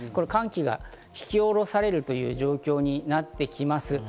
寒気が引き下ろされるという状況になってきます。